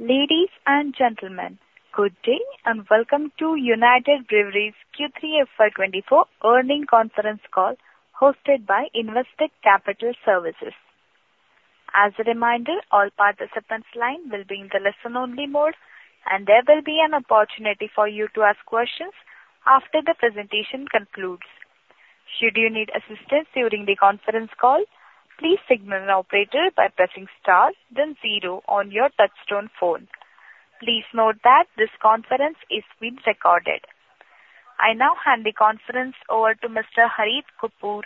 Ladies and gentlemen, good day, and welcome to United Breweries Q3 FY 2024 Earnings Conference Call, hosted by Investec Capital Services. As a reminder, all participants' line will be in the listen-only mode, and there will be an opportunity for you to ask questions after the presentation concludes. Should you need assistance during the conference call, please signal an operator by pressing star then zero on your touchtone phone. Please note that this conference is being recorded. I now hand the conference over to Mr. Harit Kapoor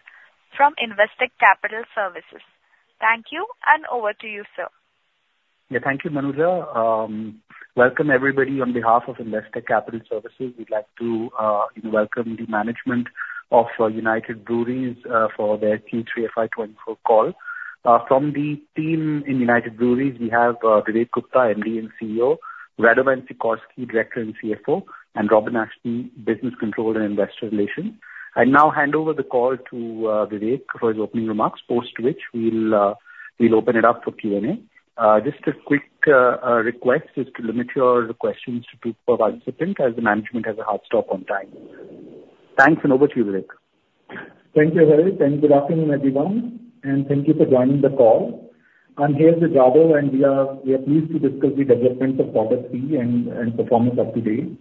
from Investec Capital Services. Thank you, and over to you, sir. Yeah. Thank you, Manuja. Welcome everybody on behalf of Investec Capital Services. We'd like to welcome the management of United Breweries for their Q3 FY 2024 call. From the team in United Breweries, we have Vivek Gupta, MD and CEO, Radovan Sikorsky, Director and CFO, and Robin Achten, Business Controller and Investor Relations. I now hand over the call to Vivek for his opening remarks, post which we'll open it up for Q&A. Just a quick request is to limit your questions to two per participant, as the management has a hard stop on time. Thanks, and over to you, Vivek. Thank you, Harit, and good afternoon, everyone, and thank you for joining the call. I'm here with Radovan, and we are pleased to discuss the developments of quarter three and performance up to date.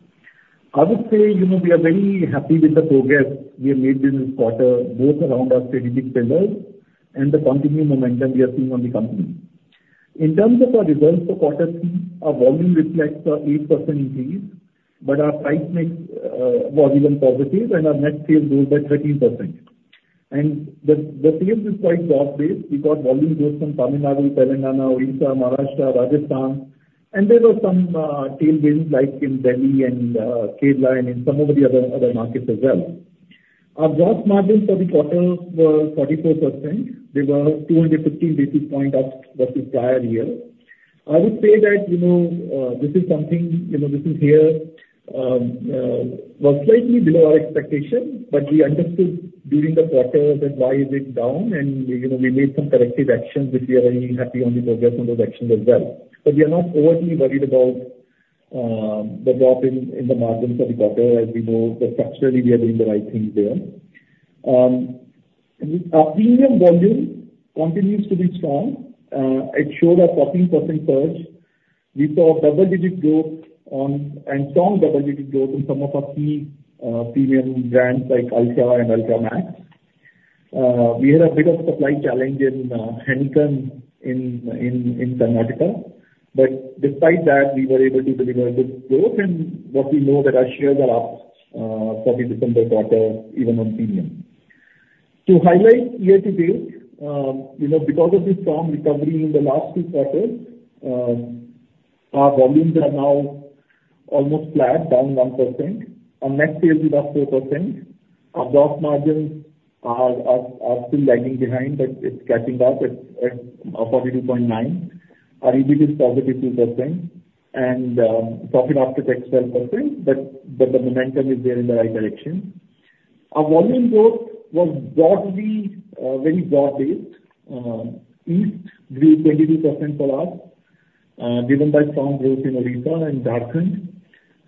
I would say, you know, we are very happy with the progress we have made this quarter, both around our strategic pillars and the continuing momentum we are seeing on the company. In terms of our results for quarter three, our volume reflects a 8% increase, but our price mix was even positive, and our net sales grew by 13%. And the sales is quite broad-based because volume growth from Tamil Nadu, Telangana, Odisha, Maharashtra, Rajasthan, and there were some tailwinds like in Delhi and Kerala and in some of the other markets as well. Our gross margins for the quarter were 44%. They were 250 basis point up versus prior year. I would say that, you know, this is something, you know, this was slightly below our expectation, but we understood during the quarter that why is it down, and, you know, we made some corrective actions, which we are very happy on the progress on those actions as well. But we are not overly worried about, the drop in the margins for the quarter, as we know that structurally we are doing the right thing there. And our premium volume continues to be strong. It showed a 14% surge. We saw double-digit growth on, and strong double-digit growth in some of our key, premium brands like Ultra and Ultra Max. We had a bit of supply challenge in Heineken in Karnataka, but despite that, we were able to deliver good growth. And what we know that our shares are up for the December quarter, even on premium. To highlight year to date, you know, because of the strong recovery in the last 2 quarters, our volumes are now almost flat, down 1%. Our net sales is up 2%. Our gross margins are still lagging behind, but it's catching up at 42.9%. Our EBIT is +2% and profit after tax 12%, but the momentum is there in the right direction. Our volume growth was broadly very broad-based. East grew 22% for us, driven by strong growth in Odisha and Jharkhand.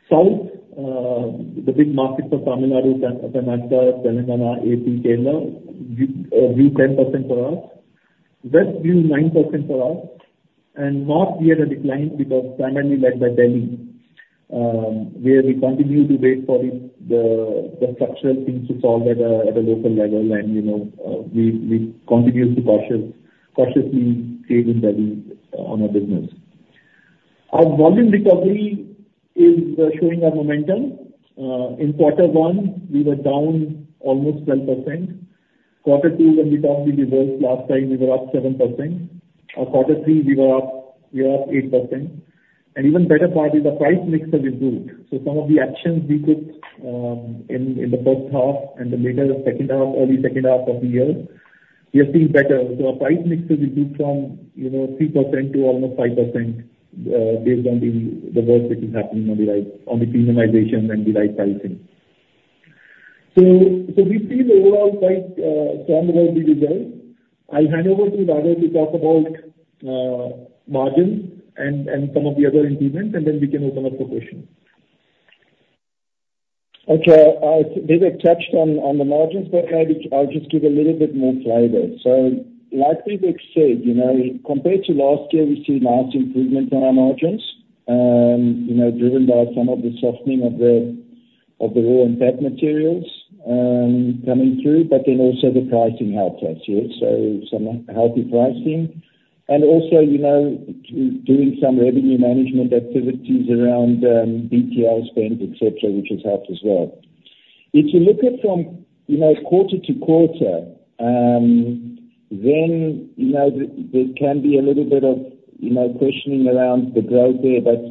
South, the big markets of Tamil Nadu, Karnataka, Telangana, AP, Kerala, grew 10% for us. West grew 9% for us, and North, we had a decline because primarily led by Delhi, where we continue to wait for the structural things to solve at a local level. And, you know, we continue to cautiously trade in Delhi on our business. Our volume recovery is showing a momentum. In quarter one, we were down almost 12%. Quarter two, when we talked to you last time, we were up 7%. Quarter three, we were up, we are up 8%. And even better part is the price mix is good. So some of the actions we took, in, in the first half and the later the second half, early second half of the year, we are seeing better. So our price mix is improved from, you know, 3% to almost 5%, based on the, the work that is happening on the right, on the premiumization and the right pricing. So, so we feel overall quite, strong about the results. I'll hand over to Radovan to talk about, margins and, and some of the other improvements, and then we can open up for questions. Okay. Vivek touched on the margins, but maybe I'll just give a little bit more flavor. So like Vivek said, you know, compared to last year, we see nice improvement in our margins, you know, driven by some of the softening of the raw and pack materials coming through, but then also the pricing helped us, yes? So some healthy pricing, and also, you know, doing some revenue management activities around BTL spend, etc., which has helped as well. If you look at from quarter to quarter, then, you know, there can be a little bit of questioning around the growth there. But,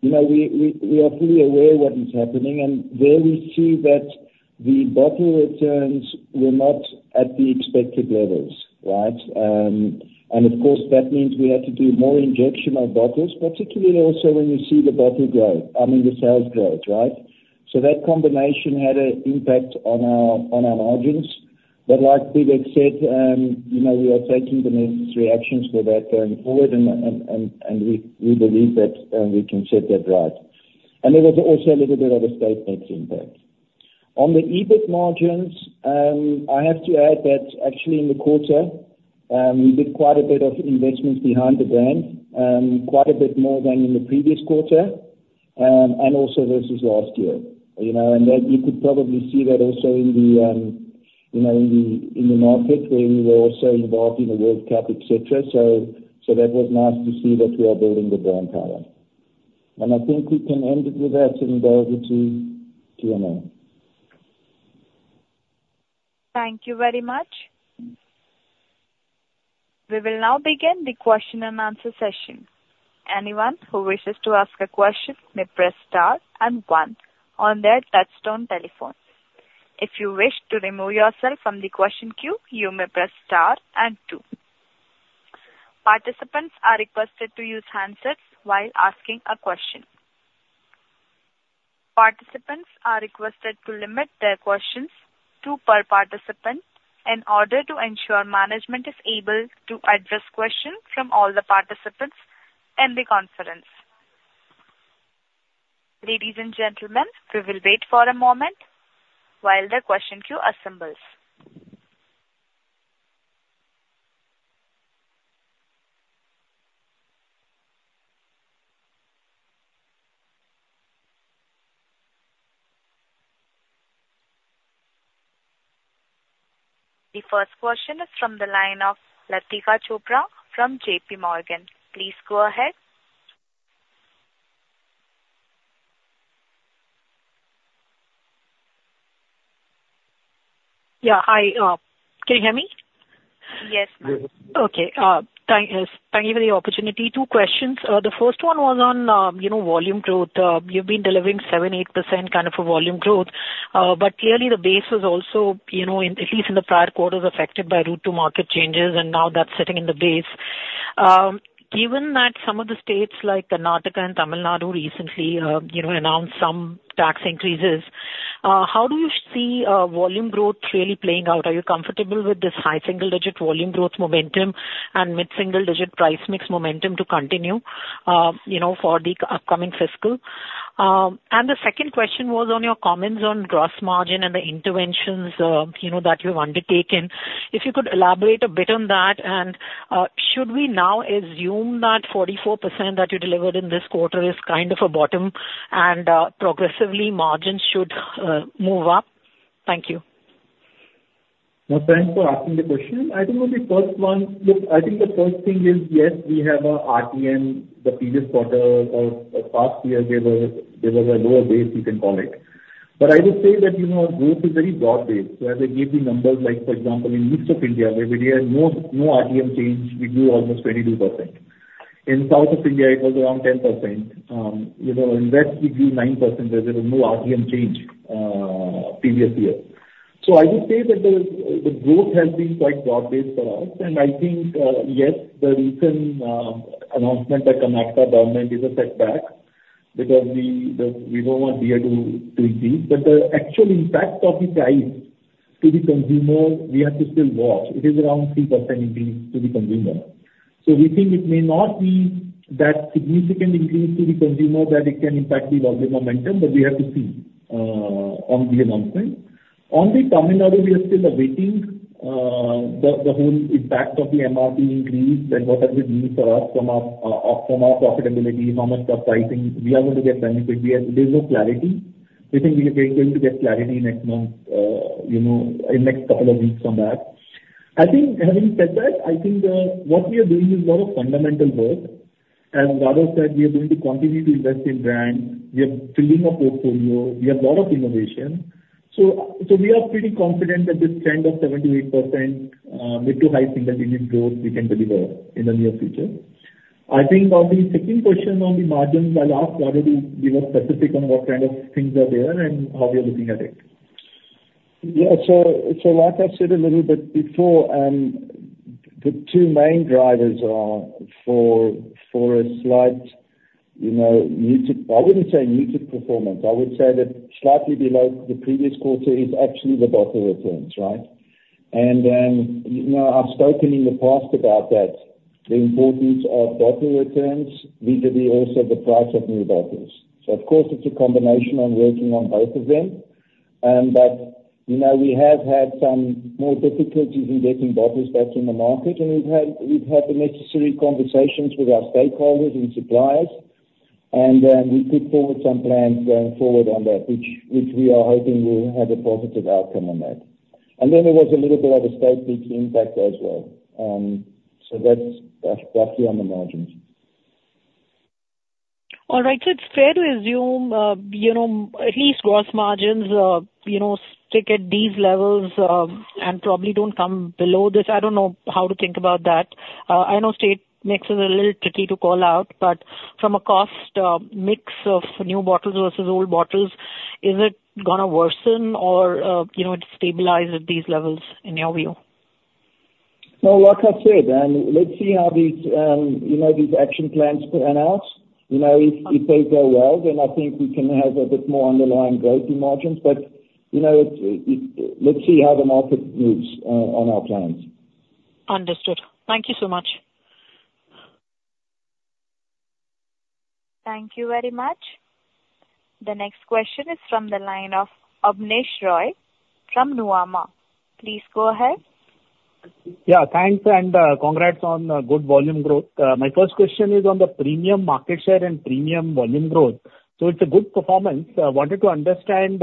you know, we are fully aware what is happening, and there we see that the bottle returns were not at the expected levels, right? And of course, that means we had to do more injection of bottles, particularly also when you see the bottle growth, I mean, the sales growth, right? So that combination had an impact on our margins. But like Vivek said, you know, we are taking the necessary actions for that going forward, and we believe that we can set that right. There was also a little bit of a state mix impact. On the EBIT margins, I have to add that actually, in the quarter, we did quite a bit of investments behind the brand, quite a bit more than in the previous quarter, and also versus last year. You know, and that you could probably see that also in the market where we were also involved in the World Cup, etc. So that was nice to see that we are building the brand power. I think we can end it with that and go to Q&A. Thank you very much. We will now begin the question and answer session. Anyone who wishes to ask a question may press star and one on their touch-tone telephone. If you wish to remove yourself from the question queue, you may press star and two. Participants are requested to use handsets while asking a question. Participants are requested to limit their questions, two per participant, in order to ensure management is able to address questions from all the participants in the conference. Ladies and gentlemen, we will wait for a moment while the question queue assembles. The first question is from the line of Latika Chopra from JPMorgan. Please go ahead. Yeah. Hi, can you hear me? Yes. Okay, thank you for the opportunity. Two questions. The first one was on, you know, volume growth. You've been delivering 7%-8% kind of volume growth, but clearly the base was also, you know, in at least in the prior quarters, affected by route-to-market changes, and now that's sitting in the base. Given that some of the states, like Karnataka and Tamil Nadu recently, you know, announced some tax increases, how do you see volume growth really playing out? Are you comfortable with this high single-digit volume growth momentum and mid-single digit price mix momentum to continue, you know, for the upcoming fiscal? And the second question was on your comments on gross margin and the interventions, you know, that you've undertaken. If you could elaborate a bit on that, and should we now assume that 44% that you delivered in this quarter is kind of a bottom and progressively margins should move up? Thank you. Well, thanks for asking the question. I think on the first one, look, I think the first thing is, yes, we have a RTM. The previous quarter or past year, there was a lower base, you can call it. But I would say that, you know, our growth is very broad-based. So as I gave the numbers, like for example, in most of India, where we had no RTM change, we grew almost 22%. In South India, it was around 10%. You know, in the West, we grew 9% where there was no RTM change previous year. So I would say that the growth has been quite broad-based for us. And I think, yes, the recent announcement that Karnataka government is a setback, because we don't want beer to increase. But the actual impact of the price to the consumer, we have to still watch. It is around 3% increase to the consumer. So we think it may not be that significant increase to the consumer that it can impact the volume momentum, but we have to see on the announcement. On the Tamil Nadu, we are still awaiting the, the whole impact of the MRP increase and what are the means for us from our, from our profitability, how much of pricing we are going to get benefited. There's no clarity. We think we are going to get clarity next month, you know, in next couple of weeks from that. I think having said that, I think what we are doing is a lot of fundamental work. As Rado said, we are going to continue to invest in brands. We are filling our portfolio. We have a lot of innovation. So, so we are pretty confident that this trend of 7%-8%, mid to high single-digit growth we can deliver in the near future. I think on the second question on the margins, I'll ask Rado to be more specific on what kind of things are there and how we are looking at it. Yeah. So, like I said a little bit before, the two main drivers are for a slight, you know, muted, I wouldn't say muted performance, I would say that slightly below the previous quarter, is actually the bottle returns, right? And, you know, I've spoken in the past about that, the importance of bottle returns vis-à-vis also the price of new bottles. So of course, it's a combination on working on both of them. But, you know, we have had some more difficulties in getting bottles back in the market, and we've had the necessary conversations with our stakeholders and suppliers, and, we put forward some plans going forward on that, which we are hoping will have a positive outcome on that. And then there was a little bit of a state mix impact as well. So that's, that's on the margins. All right, so it's fair to assume, you know, at least gross margins, you know, stick at these levels, and probably don't come below this. I don't know how to think about that. I know state mix is a little tricky to call out, but from a cost, mix of new bottles versus old bottles, is it gonna worsen or, you know, stabilize at these levels in your view? So like I said, let's see how these, you know, these action plans pan out. You know, if they go well, then I think we can have a bit more underlying growth in margins. But, you know, it, let's see how the market moves on our plans. Understood. Thank you so much. Thank you very much. The next question is from the line of Abneesh Roy from Nuvama. Please go ahead. Yeah, thanks, and, congrats on, good volume growth. My first question is on the premium market share and premium volume growth. So it's a good performance. I wanted to understand,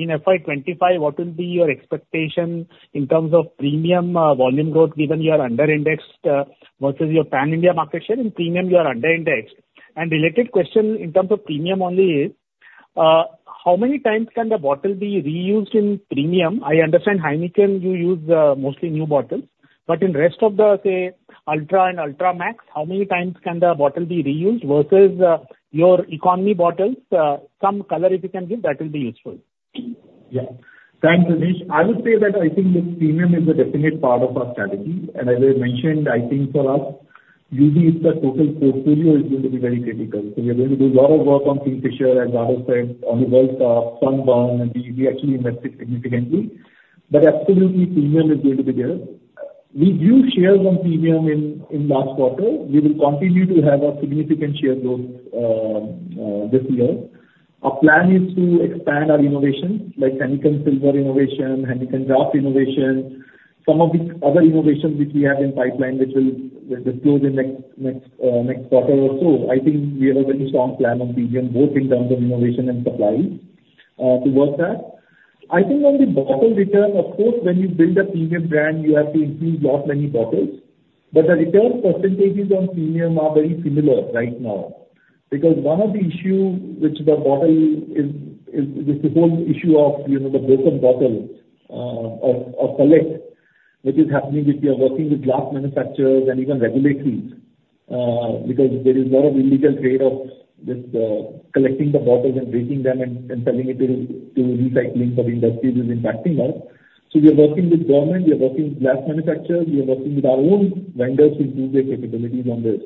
in FY 2025, what will be your expectation in terms of premium, volume growth, given you are under-indexed, versus your pan-India market share? In premium, you are under-indexed. And related question in terms of premium only is, how many times can the bottle be reused in premium? I understand Heineken, you use, mostly new bottles, but in rest of the, say, Ultra and Ultra Max, how many times can the bottle be reused versus, your economy bottles? Some color if you can give, that will be useful. Yeah. Thanks, Abneesh. I would say that I think the premium is a definite part of our strategy. And as I mentioned, I think for us, using the total portfolio is going to be very critical. So we are going to do a lot of work on Kingfisher, as Rado said, on World Cup, Sunburn, and UB we actually invested significantly. But absolutely, premium is going to be there. We do share some premium in last quarter. We will continue to have a significant share those, this year. Our plan is to expand our innovations, like Heineken Silver innovation, Heineken Draught innovation. Some of these other innovations which we have in pipeline, which will, we'll deploy in next quarter or so. I think we have a very strong plan on premium, both in terms of innovation and supply towards that. I think on the bottle return, of course, when you build a premium brand, you have to increase a lot many bottles, but the return percentages on premium are very similar right now. Because one of the issues with the bottle is the whole issue of, you know, the broken bottle collection, which is happening, which we are working with glass manufacturers and even regulators, because there is a lot of illegal trade of this, collecting the bottles and breaking them and selling it to recycling for the industry which is impacting us. So we are working with government, we are working with glass manufacturers, we are working with our own vendors to improve their capabilities on this.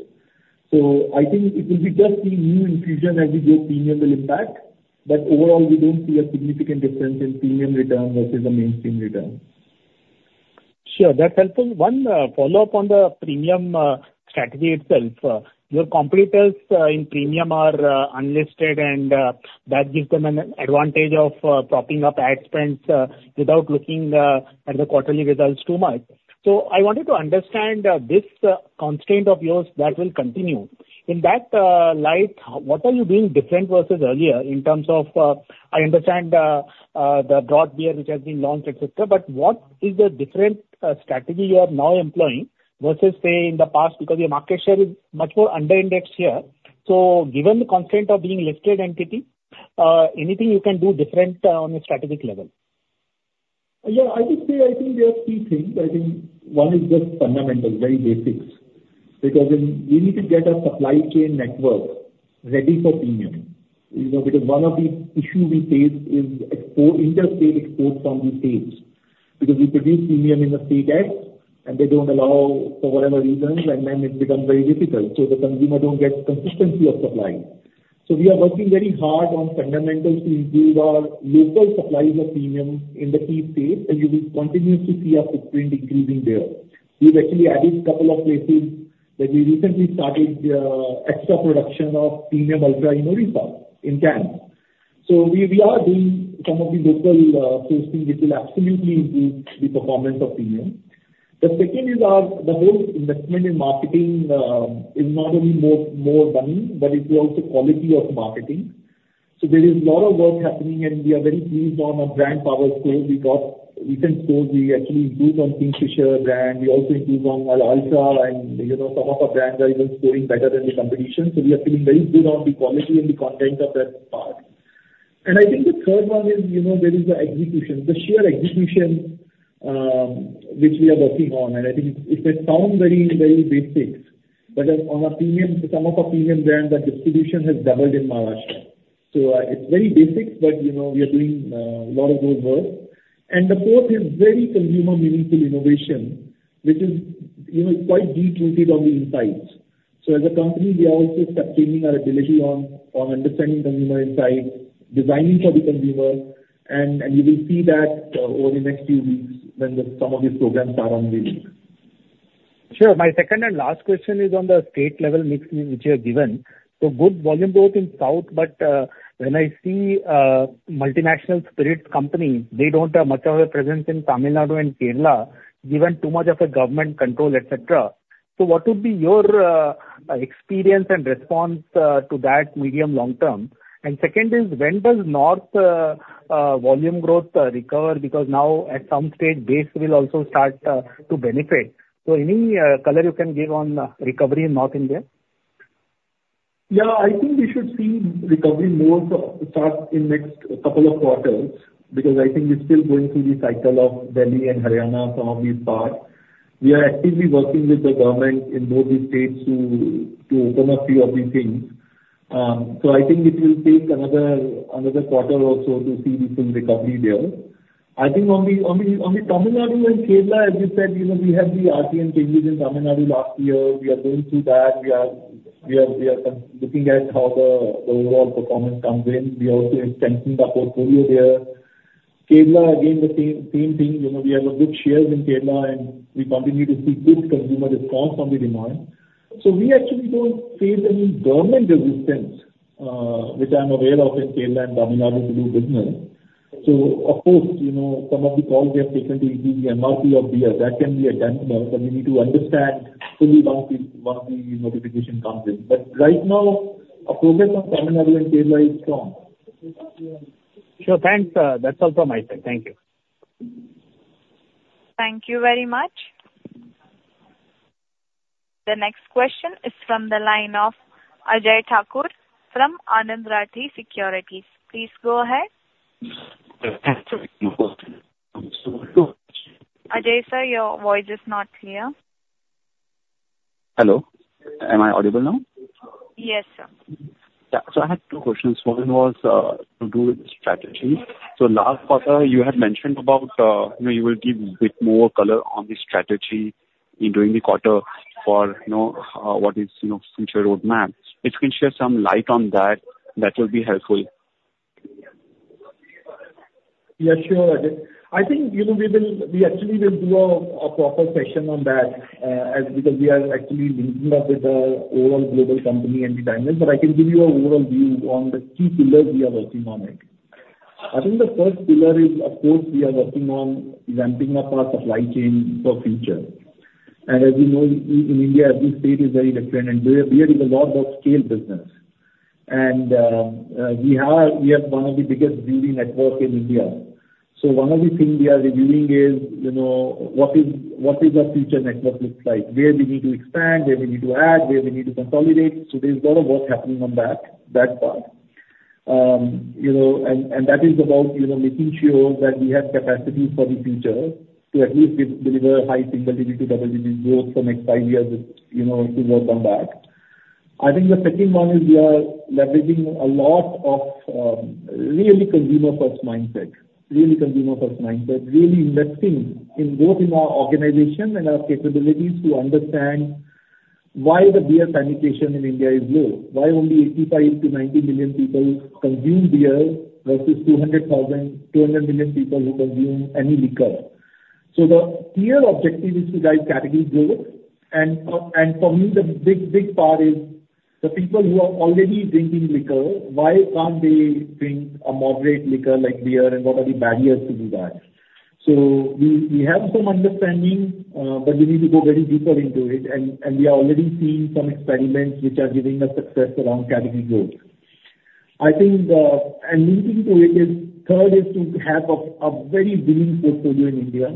I think it will be just the new infusion as we go premium will impact, but overall, we don't see a significant difference in premium return versus the mainstream return. Sure, that's helpful. One follow-up on the premium strategy itself. Your competitors in premium are unlisted, and that gives them an advantage of propping up ad spends without looking at the quarterly results too much. So I wanted to understand this constraint of yours that will continue. In that light, what are you doing different versus earlier in terms of, I understand the Draught beer which has been launched, etc., but what is the different strategy you are now employing versus, say, in the past? Because your market share is much more under-indexed here. So given the constraint of being listed entity, anything you can do different on a strategic level? Yeah, I would say, I think there are three things. I think one is just fundamentals, very basics, because then we need to get our supply chain network ready for premium. You know, because one of the issue we face is export, interstate exports from the states, because we produce premium in the state X, and they don't allow for whatever reasons, and then it becomes very difficult. So the consumer don't get consistency of supply. So we are working very hard on fundamentals to improve our local supply of premium in the key states, and you will continue to see our footprint increasing there. We've actually added couple of places that we recently started extra production of premium Ultra in Odisha, in can. So we are doing some of the local sourcing, which will absolutely improve the performance of premium. The second is our, the whole investment in marketing is not only more, more money, but it's also quality of the marketing. So there is a lot of work happening, and we are very pleased on our brand power score. We got recent score, we actually improved on Kingfisher brand. We also improved on Ultra and, you know, some of our brands are even scoring better than the competition. So we are feeling very good on the quality and the content of that part. And I think the third one is, you know, there is the execution, the sheer execution, which we are working on. And I think it may sound very, very basic, but on our premium, some of our premium brands, the distribution has doubled in Maharashtra. So, it's very basic, but you know, we are doing, lot of those work. The fourth is very consumer meaningful innovation, which is, you know, quite deep rooted on the insights. As a company, we are also sustaining our ability on understanding consumer insights, designing for the consumer, and you will see that over the next few weeks when some of these programs are on the way. Sure. My second and last question is on the state-level mix which you have given. So good volume growth in South, but when I see multinational spirits company, they don't have much of a presence in Tamil Nadu and Kerala, given too much of a government control, etc. So what would be your experience and response to that medium long term? And second is, when does North volume growth recover? Because now at some stage, base will also start to benefit. So any color you can give on recovery in North India? Yeah, I think we should see recovery more start in next couple of quarters, because I think we're still going through the cycle of Delhi and Haryana, some of these parts. We are actively working with the government in both these states to open up few of these things. So, I think it will take another quarter or so to see the full recovery there. I think on the Tamil Nadu and Kerala, as you said, you know, we had the RTM changes in Tamil Nadu last year. We are going through that. We are looking at how the overall performance comes in. We are also strengthening the portfolio there. Kerala, again, the same thing. You know, we have good shares in Kerala, and we continue to see good consumer response on the demand. So we actually don't face any government resistance, which I'm aware of in Kerala and Tamil Nadu to do business. So of course, you know, some of the calls we have taken to increase the MRP of beer, that can be a dampener, but we need to understand fully once the notification comes in. But right now, our progress on Tamil Nadu and Kerala is strong. Sure. Thanks, that's all from my side. Thank you. Thank you very much. The next question is from the line of Ajay Thakur from Anand Rathi Securities. Please go ahead. Ajay, sir, your voice is not clear. Hello. Am I audible now? Yes, sir. Yeah. So I had two questions. One was, to do with the strategy. So last quarter, you had mentioned about, you know, you will give bit more color on the strategy during the quarter for, you know, what is, you know, future roadmap. If you can share some light on that, that will be helpful. Yeah, sure, Ajay. I think, you know, we actually will do a proper session on that, as because we are actually linking up with the overall global company and the timelines, but I can give you an overall view on the key pillars we are working on it. I think the first pillar is, of course, we are working on ramping up our supply chain for future. And as you know, in India, every state is very different, and beer is a lot about scale business. And we have one of the biggest brewery network in India. So one of the things we are reviewing is, you know, what is our future network looks like? Where we need to expand, where we need to add, where we need to consolidate. So there's a lot of work happening on that, that part. You know, and, and that is about, you know, making sure that we have capacity for the future to at least deliver high single digit to double digit growth for next 5 years with, you know, to work on that. I think the second one is we are leveraging a lot of, really consumer-first mindset, really consumer-first mindset, really investing in both in our organization and our capabilities to understand why the beer penetration in India is low. Why only 85 million-90 million people consume beer versus 200,000... 200 million people who consume any liquor? So the clear objective is to drive category growth. For me, the big, big part is the people who are already drinking liquor, why can't they drink a moderate liquor like beer, and what are the barriers to do that? So we have some understanding, but we need to go very deeper into it, and we are already seeing some experiments which are giving us success around category growth. I think, and linking to it is, third is to have a very winning portfolio in India.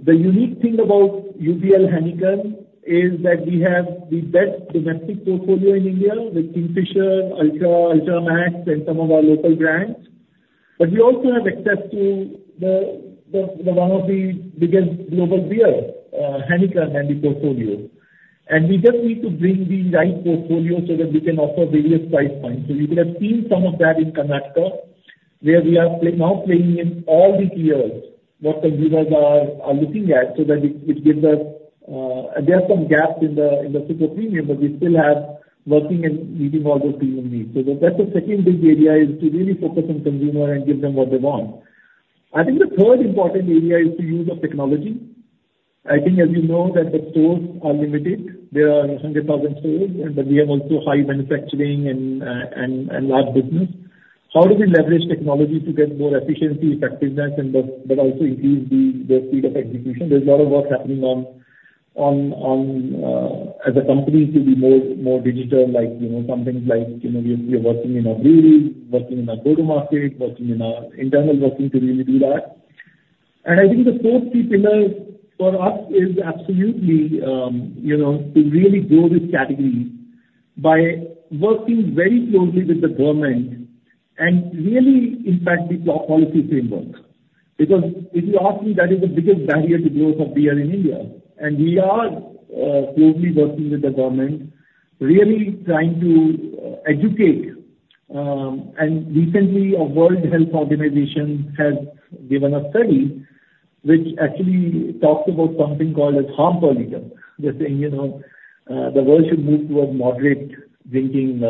The unique thing about UBL Heineken is that we have the best domestic portfolio in India with Kingfisher, Ultra, Ultra Max, and some of our local brands. But we also have access to the one of the biggest global beer, Heineken and the portfolio. And we just need to bring the right portfolio so that we can offer various price points. So you would have seen some of that in Karnataka, where we are now playing in all the tiers what consumers are looking at, so that it gives us, there are some gaps in the super premium, but we still have working and meeting all the premium needs. So that's the second big area, is to really focus on consumer and give them what they want. I think the third important area is the use of technology. I think, as you know, that the stores are limited. There are 100,000 stores, but we also have high manufacturing and large business. How do we leverage technology to get more efficiency, effectiveness, and also increase the speed of execution? There's a lot of work happening on as a company to be more digital, like, you know, something like, you know, we're working in our breweries, working in our go-to-market, working in our internal working to really do that. And I think the fourth key pillar for us is absolutely, you know, to really grow this category by working very closely with the government and really impact the policy framework. Because if you ask me, that is the biggest barrier to growth of beer in India. And we are closely working with the government, really trying to educate. And recently, a World Health Organization has given a study which actually talks about something called as harm per liter. They're saying, you know, the world should move towards moderate drinking,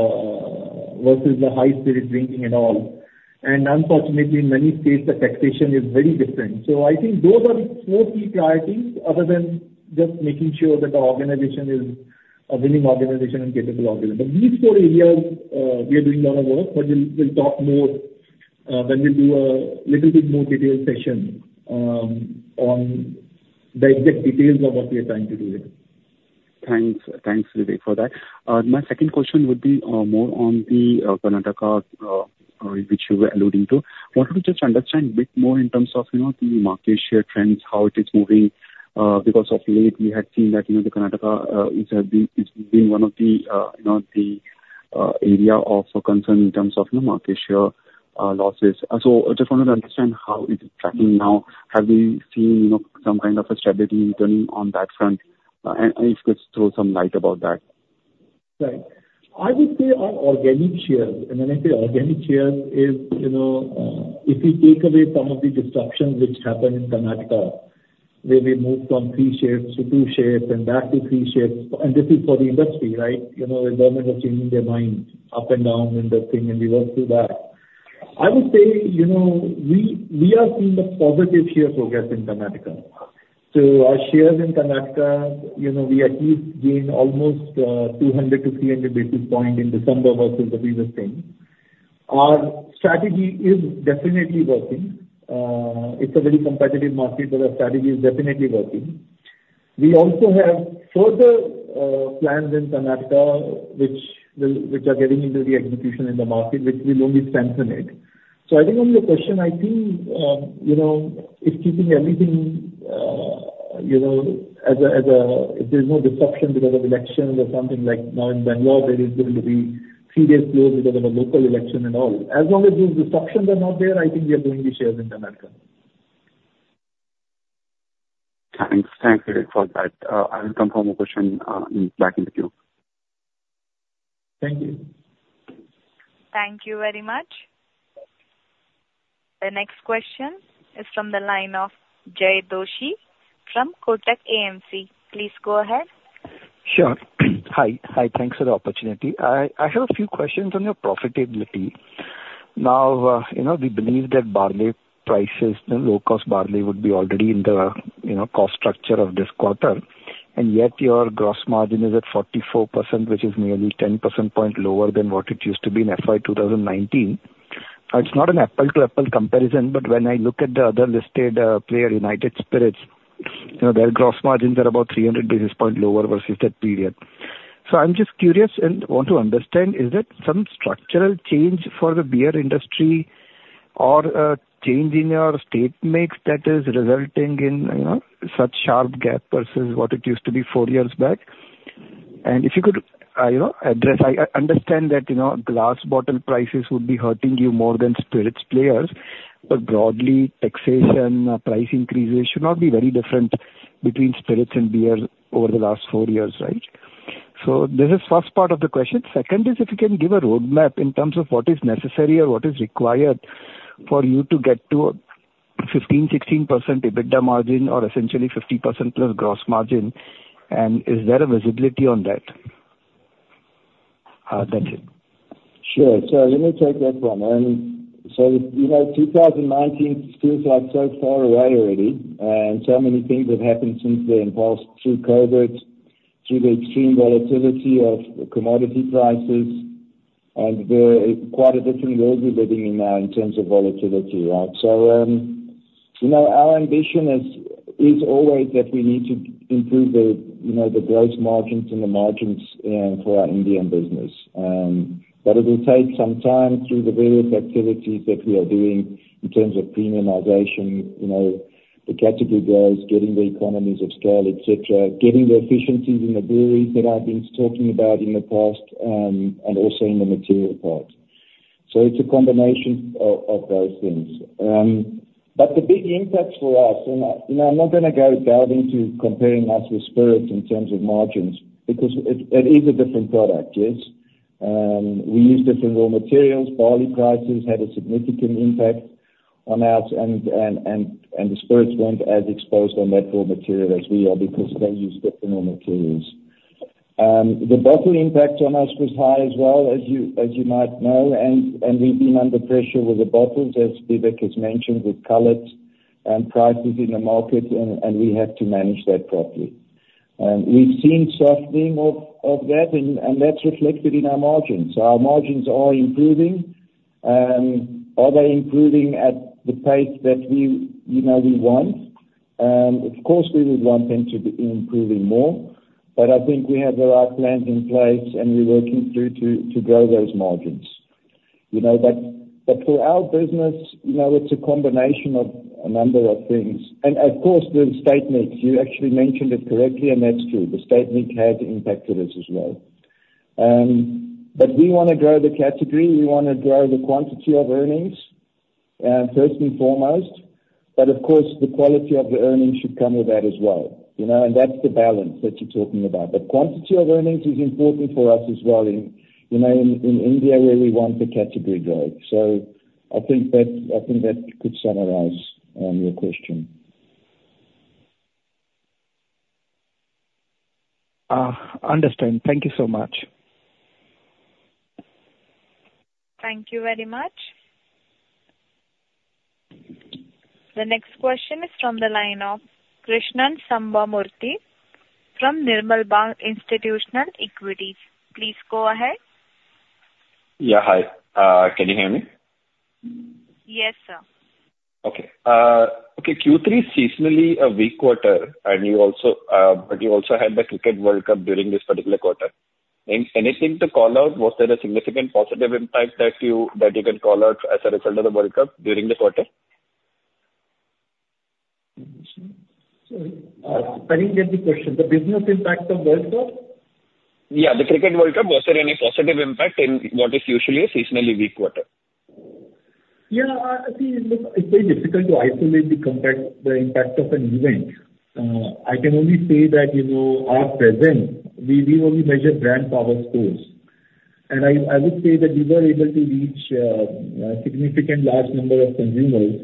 versus the high-spirit drinking and all. Unfortunately, in many states, the taxation is very different. I think those are four key priorities other than just making sure that the organization is a winning organization and capable organization. These four areas, we are doing a lot of work, but we'll talk more when we do a little bit more detailed session on the exact details of what we are trying to do here. Thanks. Thanks, Vivek, for that. My second question would be more on the Karnataka, which you were alluding to. Want to just understand bit more in terms of, you know, the market share trends, how it is moving, because of late we had seen that, you know, the Karnataka, it has been, it's been one of the, you know, the, area of concern in terms of, you know, market share, losses. So I just wanted to understand how is it tracking now? Have you seen, you know, some kind of a stability turning on that front? And if you could throw some light about that. Right. I would say our organic shares, and when I say organic shares, is, you know, if you take away some of the disruptions which happened in Karnataka, where we moved from three shifts to two shifts and back to three shifts, and this is for the industry, right? You know, the government are changing their minds up and down in the thing, and we went through that. I would say, you know, we are seeing a positive share progress in Karnataka. So our shares in Karnataka, you know, we at least gained almost 200-300 basis points in December versus the previous thing. Our strategy is definitely working. It's a very competitive market, but our strategy is definitely working. We also have further plans in Karnataka, which are getting into the execution in the market, which will only strengthen it. So I think on your question, I think, you know, if keeping everything, you know, as if there's no disruption because of elections or something like now in Bangalore, there is going to be three days closed because of a local election and all. As long as these disruptions are not there, I think we are growing the shares in Karnataka. Thanks. Thanks, Vivek, for that. I will come from a question back in the queue. Thank you. Thank you very much. The next question is from the line of Jay Doshi from Kotak AMC. Please go ahead. Sure. Hi. Hi, thanks for the opportunity. I have a few questions on your profitability. Now, you know, we believe that barley prices, the low-cost barley would be already in the, you know, cost structure of this quarter, and yet your gross margin is at 44%, which is nearly 10 percentage points lower than what it used to be in FY 2019. It's not an apple-to-apple comparison, but when I look at the other listed player, United Spirits, you know, their gross margins are about 300 basis points lower versus that period. So I'm just curious and want to understand, is it some structural change for the beer industry or a change in your state mix that is resulting in, you know, such sharp gap versus what it used to be four years back? And if you could, you know, address. I understand that, you know, glass bottle prices would be hurting you more than spirits players, but broadly, taxation, price increases should not be very different between spirits and beer over the last four years, right? So this is first part of the question. Second is, if you can give a roadmap in terms of what is necessary or what is required for you to get to 15%-16% EBITDA margin, or essentially 50%+ gross margin, and is there a visibility on that? That's it. Sure. So let me take that one. So, you know, 2019 feels like so far away already, and so many things have happened since then, first, through COVID, through the extreme volatility of commodity prices, and we're in quite a different world we're living in now in terms of volatility, right? So, you know, our ambition is always that we need to improve the, you know, the gross margins and the margins, for our Indian business. But it will take some time through the various activities that we are doing in terms of premiumization, you know, the category growth, getting the economies of scale, etc., getting the efficiencies in the breweries that I've been talking about in the past, and also in the material part. So it's a combination of those things. But the big impact for us, and I, you know, I'm not gonna go down into comparing us with spirits in terms of margins, because it is a different product, yes? We use different raw materials. Barley prices had a significant impact on us, and the spirits weren't as exposed on that raw material as we are, because they use different raw materials. The bottle impact on us was high as well, as you might know, and we've been under pressure with the bottles, as Vivek has mentioned, with cullets and prices in the market, and we have to manage that properly. We've seen softening of that, and that's reflected in our margins. Our margins are improving. Are they improving at the pace that we, you know, we want? Of course, we would want them to be improving more, but I think we have the right plans in place, and we're working through to grow those margins. You know, but for our business, you know, it's a combination of a number of things. And of course, the state mix, you actually mentioned it correctly, and that's true. The state mix has impacted us as well. But we wanna grow the category, we wanna grow the quantity of earnings, first and foremost, but of course, the quality of the earnings should come with that as well, you know, and that's the balance that you're talking about. But quantity of earnings is important for us as well in, you know, in India, where we want the category growth. So I think that could summarize your question. Understand. Thank you so much. Thank you very much. The next question is from the line of Krishnan Sambamoorthy from Nirmal Bang Institutional Equities. Please go ahead. Yeah. Hi, can you hear me? Yes, sir. Okay. Okay, Q3 is seasonally a weak quarter, and you also, but you also had the Cricket World Cup during this particular quarter. And anything to call out, was there a significant positive impact that you can call out as a result of the World Cup during the quarter? Sorry, I didn't get the question. The business impact of World Cup? Yeah, the Cricket World Cup. Was there any positive impact in what is usually a seasonally weak quarter? Yeah, I think, look, it's very difficult to isolate the impact of an event. I can only say that, you know, at present, we only measure brand power scores. And I would say that we were able to reach a significant large number of consumers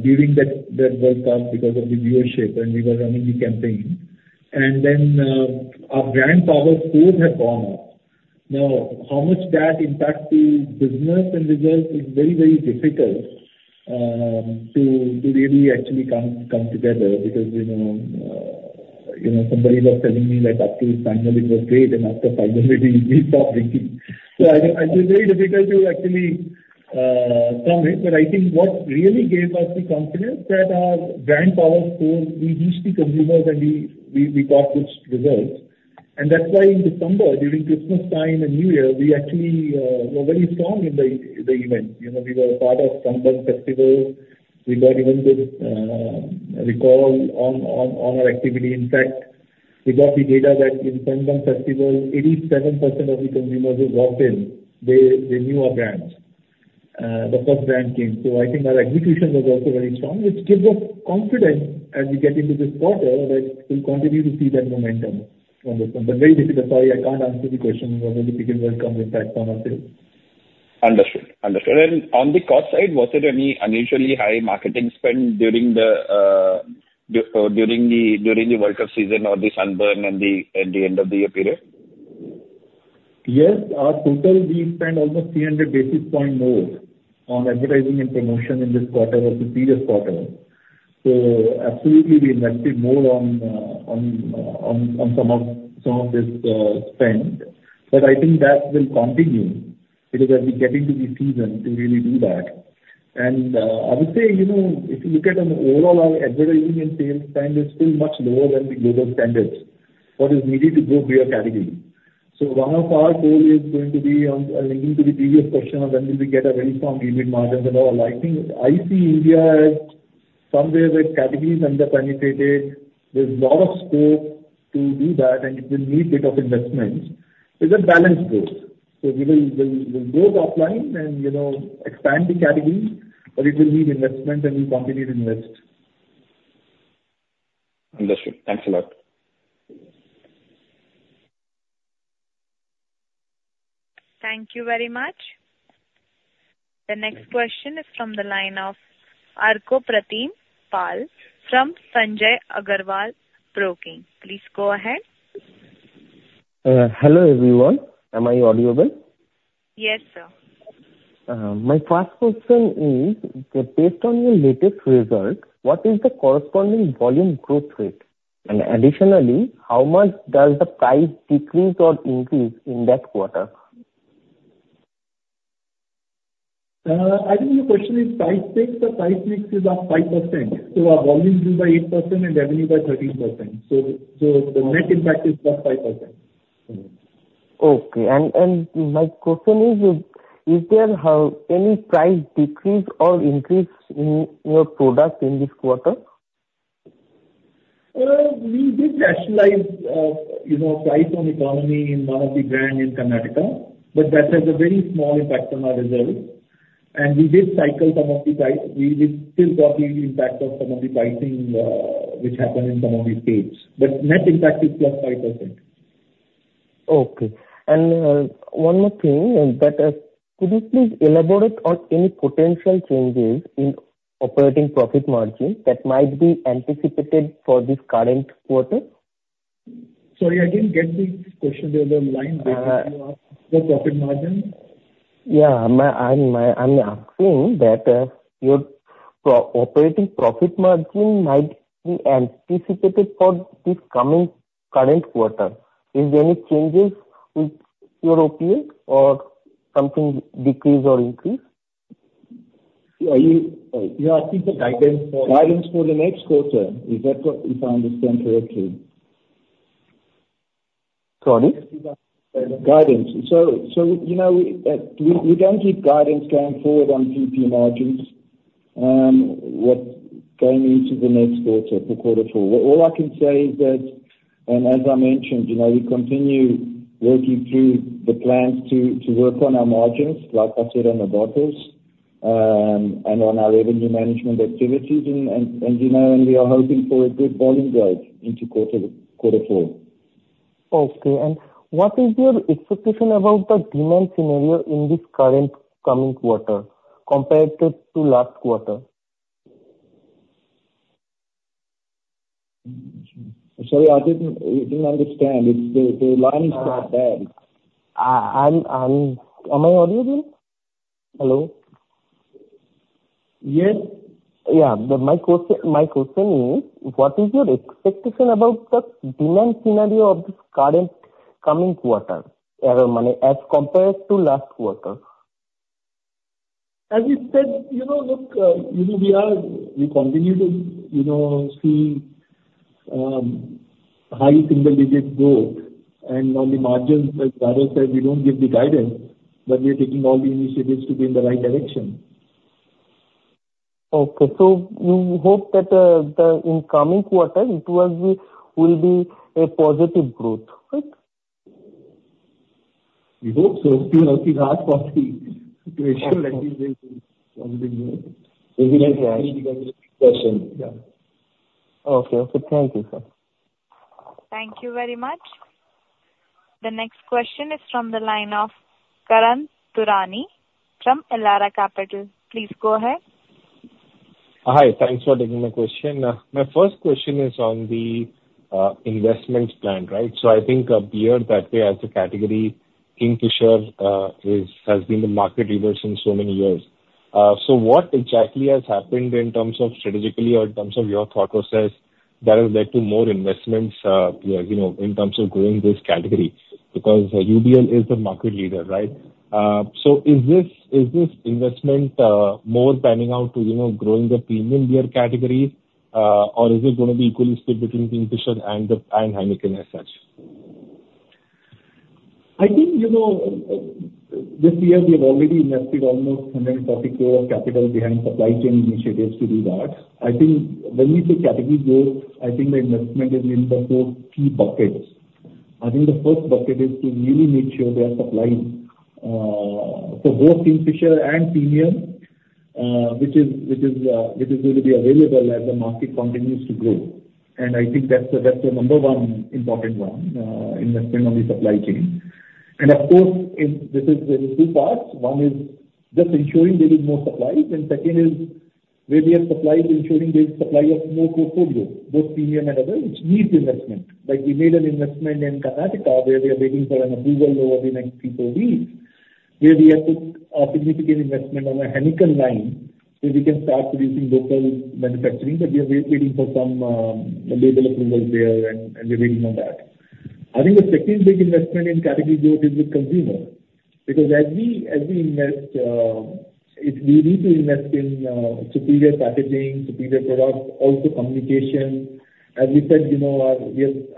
during that World Cup because of the viewership, and we were running the campaign. And then, our brand power scores have gone up. Now, how much that impacts the business and results is very, very difficult to really actually come together because, you know, you know, somebody was telling me that up to final it was great, and after final we stopped drinking. So I think it's very difficult to actually, count it, but I think what really gave us the confidence that our brand power scores, we reached the consumers, and we got good results. And that's why in December, during Christmas time and New Year, we actually, were very strong in the event. You know, we were part of Sunburn Festival. We got even good recall on our activity. In fact, we got the data that in Sunburn Festival, 87% of the consumers who walked in, they knew our brand, the first brand came. So I think our execution was also very strong, which gives us confidence as we get into this quarter, that we'll continue to see that momentum from the sun. But very difficult. Sorry, I can't answer the question. It was a difficult World Cup impact on our sales. Understood. Understood. And on the cost side, was it any unusually high marketing spend during the World Cup season or the Sunburn and the end of the year period? Yes. Our total, we spent almost 300 basis points more on advertising and promotion in this quarter than the previous quarter. So absolutely, we invested more on some of, some of this, spend. But I think that will continue because as we get into the season to really do that, and, I would say, you know, if you look at on overall, our advertising and sales spend is still much lower than the global standards, what is needed to grow beer category. So one of our goal is going to be on, linking to the previous question on when will we get a very strong EBIT margins and all. I think I see India as somewhere where category is underpenetrated. There's a lot of scope to do that, and it will need bit of investment. It's a balanced growth, so we'll grow top line and, you know, expand the category, but it will need investment, and we'll continue to invest. Understood. Thanks a lot. Thank you very much. The next question is from the line of Arkopratim Pal from Sanjay Agarwal Broking. Please go ahead. Hello, everyone. Am I audible? Yes, sir. My first question is, based on your latest results, what is the corresponding volume growth rate? Additionally, how much does the price decrease or increase in that quarter? I think your question is price mix. The price mix is up 5%, so our volume grew by 8% and revenue by 13%. So the net impact is +5%. Okay. And my question is, is there any price decrease or increase in your product in this quarter? We did rationalize, you know, price on economy in one of the brand in Karnataka, but that has a very small impact on our results. And we did cycle some of the price. We are still got the impact of some of the pricing, which happened in some of the states, but net impact is +5%. Okay. And, one more thing, and that is, could you please elaborate on any potential changes in operating profit margin that might be anticipated for this current quarter? Sorry, I didn't get the question over the line. You asked the profit margin? Yeah. I'm asking that your operating profit margin might be anticipated for this coming current quarter. Is there any changes with your OPM or something decrease or increase? Yeah, I think the guidance for- Guidance for the next quarter, is that what, if I understand correctly? Sorry? Guidance. You know, we don't give guidance going forward on OP margins, going into the next quarter, quarter four. All I can say is that, as I mentioned, you know, we continue working through the plans to work on our margins, like I said, on the bottles, and on our revenue management activities. You know, we are hoping for a good volume growth into quarter four. Okay. And what is your expectation about the demand scenario in this current coming quarter compared to last quarter? Sorry, I didn't understand. The line is bad. Am I audible? Hello? Yes. Yeah. But my question, my question is: What is your expectation about the demand scenario of this current coming quarter, I mean, as compared to last quarter? As we said, you know, look, you know, we are, we continue to, you know, see high single-digit growth. And on the margins, as Rado said, we don't give the guidance, but we are taking all the initiatives to be in the right direction. Okay, so you hope that, the incoming quarter, it will be a positive growth, right? We hope so. We will ask to ensure that it will be positive growth. Okay. Okay. Thank you, sir. Thank you very much. The next question is from the line of Karan Taurani from Elara Capital. Please go ahead. Hi. Thanks for taking my question. My first question is on the investment plan, right? So I think a beer category, Kingfisher, has been the market leader since so many years. So what exactly has happened in terms of strategically or in terms of your thought process that has led to more investments, you know, in terms of growing this category? Because UBL is the market leader, right? So is this investment more panning out to, you know, growing the premium beer category, or is it gonna be equally split between Kingfisher and Heineken as such? I think, you know, this year we have already invested almost 140 crore of capital behind supply chain initiatives to do that. I think when we say category growth, I think the investment is in the four key buckets. I think the first bucket is to really make sure we are supplying for both Kingfisher and premium, which is going to be available as the market continues to grow. And I think that's the number one important one, investment on the supply chain. And of course, it's this is in two parts. One is just ensuring there is more supply, and second is where we have supply, ensuring there's supply of more portfolio, both premium and other, which needs investment. Like we made an investment in Karnataka, where we are waiting for an approval over the next 3-4 weeks, where we have put a significant investment on the Heineken line, so we can start producing local manufacturing, but we are waiting for some label approvals there, and we're waiting on that. I think the second big investment in category growth is with consumer. Because as we invest, we need to invest in superior packaging, superior products, also communication. As we said, you know,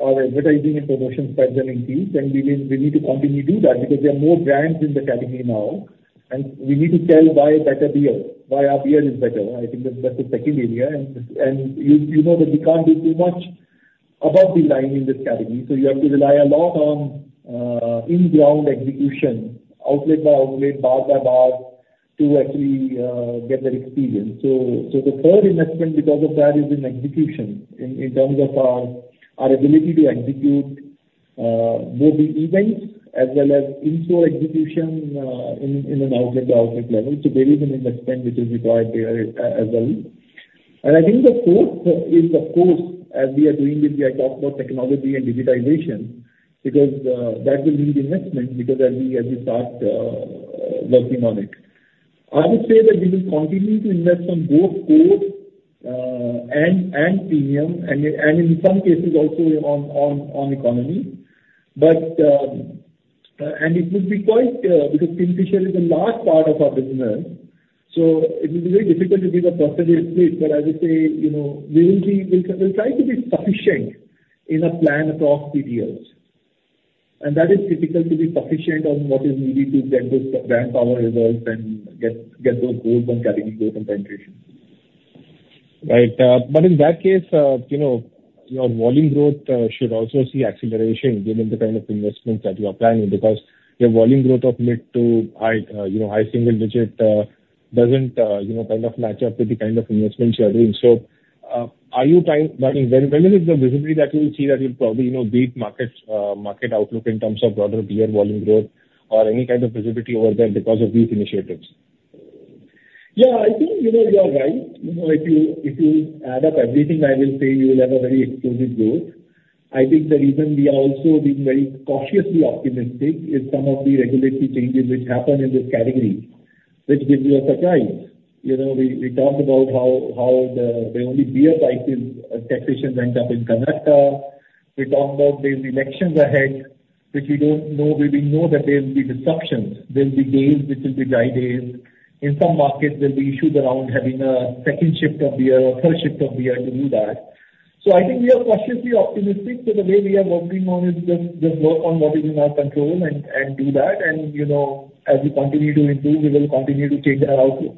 our advertising and promotion spend are increased, and we need to continue to do that, because there are more brands in the category now, and we need to tell why better beer, why our beer is better. I think that's the second area. And you know that we can't do too much above the line in this category, so you have to rely a lot on on-ground execution, outlet-by-outlet, bar-by-bar, to actually get that experience. So the third investment because of that is in execution, in terms of our ability to execute both the events as well as in-store execution in an outlet-to-outlet level. So there is an investment which is required there as well. And I think the fourth is, of course, as we are doing this, we are talking about technology and digitization, because that will need investment because as we start working on it. I would say that we will continue to invest on both core and premium, and in some cases also on economy. But it will be quite because Kingfisher is a large part of our business, so it will be very difficult to give a percentage split. But I would say, you know, we will be. We'll try to be sufficient in a plan across three years. And that is typical to be sufficient on what is needed to get those brand power results and get those goals on category growth and penetration. Right. But in that case, you know, your volume growth should also see acceleration given the kind of investments that you are planning, because your volume growth of mid to high, you know, high single digit, doesn't, you know, kind of match up with the kind of investments you are doing. So, are you trying- I mean, when, when is the visibility that you'll see that you'll probably, you know, beat markets, market outlook in terms of broader beer volume growth or any kind of visibility over there because of these initiatives? Yeah, I think, you know, you are right. You know, if you, if you add up everything I will say, you will have a very explosive growth. I think the reason we are also being very cautiously optimistic is some of the regulatory changes which happened in this category, which gives you a surprise. You know, we talked about how the only beer taxation went up in Karnataka. We talked about there's elections ahead, which we don't know, we know that there will be disruptions. There'll be days which will be dry days. In some markets, there'll be issues around having a second shift of beer or third shift of beer to do that. So I think we are cautiously optimistic, so the way we are working on is just work on what is in our control and do that. You know, as we continue to improve, we will continue to change our outlook.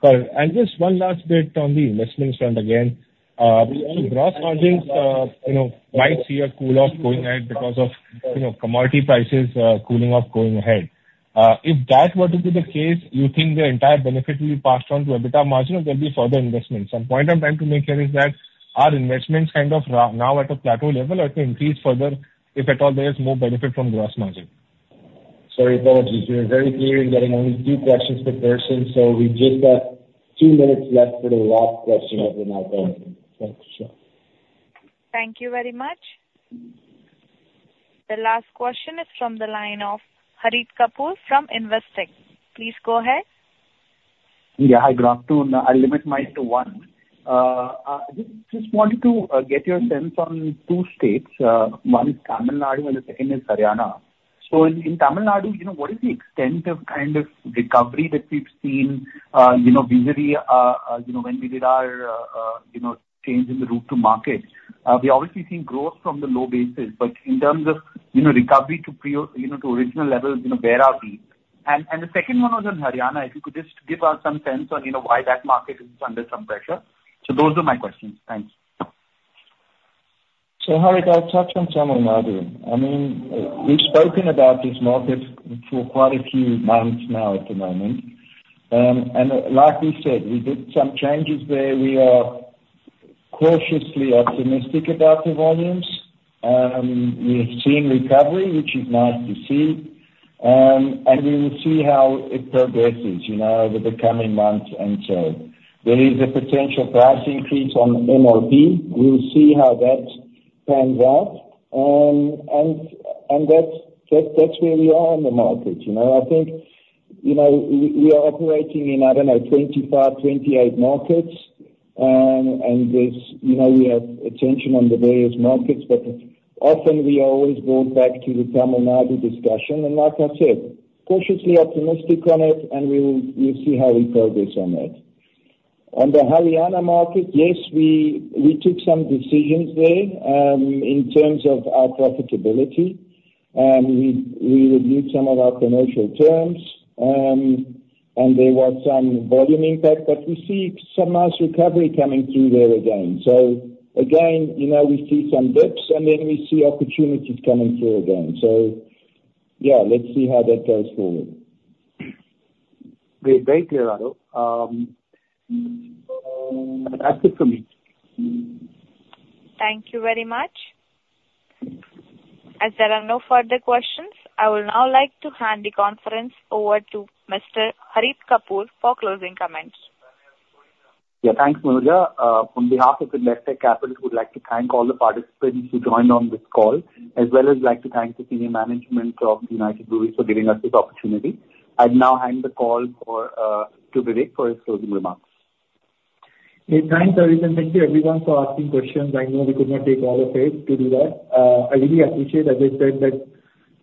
Got it. Just one last bit on the investment front again. Gross margins, you know, might see a cool off going ahead because of, you know, commodity prices cooling off going ahead. If that were to be the case, you think the entire benefit will be passed on to EBITDA margin or there'll be further investments? The point I'm trying to make here is that, are investments kind of now at a plateau level or to increase further, if at all there's more benefit from gross margin? Sorry, apologies. We are very clear in getting only two questions per person, so we've just got two minutes left for the last question over the line. Thanks. Thank you very much. The last question is from the line of Harit Kapoor from Investec. Please go ahead. Yeah, hi, good afternoon. I'll limit mine to one. Just wanted to get your sense on two states. One is Tamil Nadu and the second is Haryana. So in Tamil Nadu, you know, what is the extent of kind of recovery that we've seen, you know, visually, you know, when we did our, you know, change in the route-to-market? We're obviously seeing growth from the low bases, but in terms of, you know, recovery to prior, you know, to original levels, you know, where are we? And the second one was on Haryana. If you could just give us some sense on, you know, why that market is under some pressure. So those are my questions. Thanks. So, Harit, I'll touch on Tamil Nadu. I mean, we've spoken about this market for quite a few months now at the moment. And like we said, we did some changes there. We are cautiously optimistic about the volumes. We've seen recovery, which is nice to see. And we will see how it progresses, you know, over the coming months. And so there is a potential price increase on MRP. We'll see how that pans out. And that's where we are in the market, you know? I think, you know, we are operating in, I don't know, 25, 28 markets. And there's, you know, we have attention on the various markets, but often we always go back to the Tamil Nadu discussion. Like I said, cautiously optimistic on it, and we will, we'll see how we progress on it. On the Haryana market, yes, we took some decisions there in terms of our profitability. We reviewed some of our commercial terms, and there was some volume impact, but we see some nice recovery coming through there again. So again, you know, we see some dips, and then we see opportunities coming through again. Yeah, let's see how that goes forward. Great. Thank you, Rado. That's it for me. Thank you very much. As there are no further questions, I would now like to hand the conference over to Mr. Harit Kapoor for closing comments. Yeah, thanks, Manuja. On behalf of Investec Capital, we'd like to thank all the participants who joined on this call, as well as like to thank the senior management of United Breweries for giving us this opportunity. I'd now hand the call for to Vivek for his closing remarks. Hey, thanks, Harit, and thank you everyone for asking questions. I know we could not take all of it. To do that, I really appreciate, as I said, that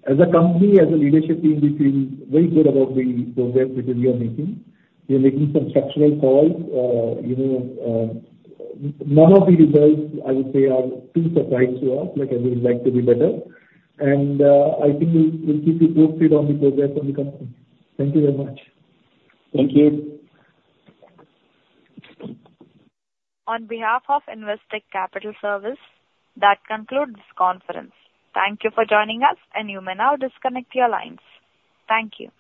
as a company, as a leadership team, we feel very good about the progress which we are making. We are making some structural calls. You know, none of the results, I would say, are too surprised to us, but I would like to be better. I think we'll keep you posted on the progress of the company. Thank you very much. Thank you. On behalf of Investec Capital Services, that concludes this conference. Thank you for joining us, and you may now disconnect your lines. Thank you.